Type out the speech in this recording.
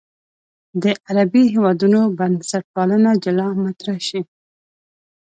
د عربي هېوادونو بنسټپالنه جلا مطرح شي.